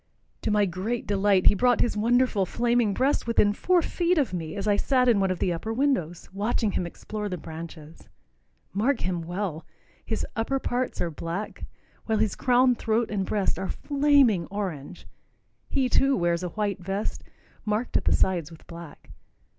To my great delight, he brought his wonderful flaming breast within four feet of me as I sat in one of the upper windows, watching him explore the branches. Mark him well. His upper parts are black, while his crown, throat and breast are flaming orange. He, too, wears a white vest, marked at the sides with black.